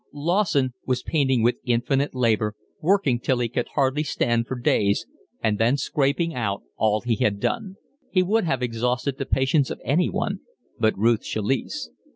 Lawson was painting with infinite labour, working till he could hardly stand for days and then scraping out all he had done. He would have exhausted the patience of anyone but Ruth Chalice.